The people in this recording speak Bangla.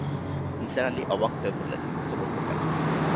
নিসার আলি অবাক হয়ে বললেন, মিথ্যা বলব কেন?